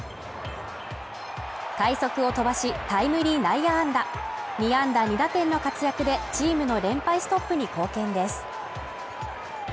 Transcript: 快足を飛ばしタイムリー内野安打、２安打２打点の活躍でチームの連敗ストップに貢献です。